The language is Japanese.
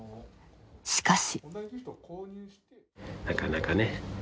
しかし。